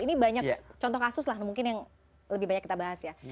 ini banyak contoh kasus lah mungkin yang lebih banyak kita bahas ya